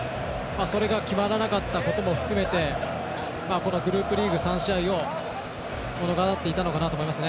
それが決まらなかったことも含めてグループリーグ３試合を物語っていたのかなと思います。